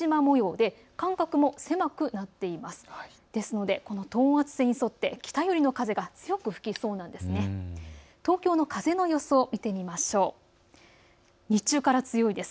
ですので等圧線に沿って北寄りの風が強く吹きそうなんです。